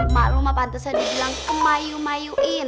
maklumah pantes aja dibilang kemayu mayuin